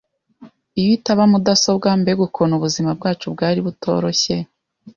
Iyo itaba mudasobwa, mbega ukuntu ubuzima bwacu bwaba butoroshye!